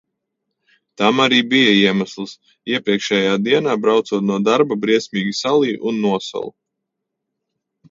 Tam arī bija iemesls – iepriekšējā dienā, braucot no darba, briesmīgi saliju un nosalu.